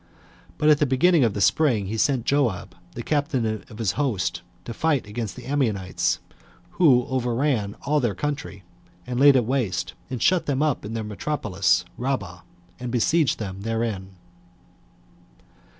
But at the beginning of the spring he sent Joab, the captain of his host, to fight against the Ammonites, who overran all their country, and laid it waste, and shut them up in their metropolis Rabbah, and besieged them therein.